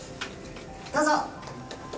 どうぞ。